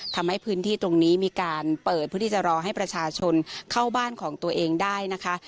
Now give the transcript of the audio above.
ทำให้พื้นที่ตรงนี้มีการเปิดเพื่อที่จะรอให้ประชาชนเข้าบ้านของตัวเองได้นะคะ